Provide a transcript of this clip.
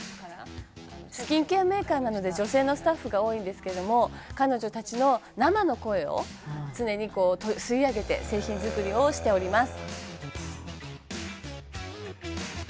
「スキンケアメーカーなので女性のスタッフが多いんですけども彼女たちの生の声を常に吸い上げて製品作りをしております」